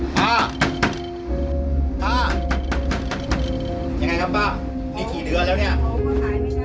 ป้าป้ายังไงครับป้านี่กี่เดือนแล้วเนี่ย